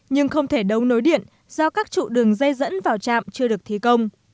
nhưng không thể đấu nối điện do các trụ đường dây dẫn vào trạm chưa được thi công